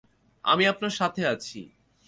আমি আপনার সাথে আছি।